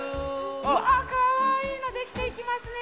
うわかわいいのできていきますね